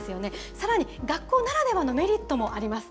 さらに学校ならではのメリットもあります。